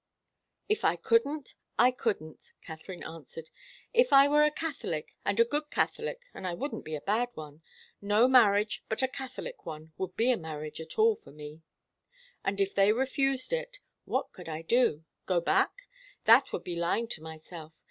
"If I couldn't, I couldn't," Katharine answered. "If I were a Catholic, and a good Catholic, I wouldn't be a bad one, no marriage but a Catholic one would be a marriage at all for me. And if they refused it, what could I do? Go back? That would be lying to myself.